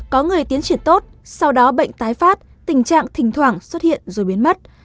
có người tiến triển tốt sau đó bệnh tái phát tình trạng thỉnh thoảng xuất hiện rồi biến mất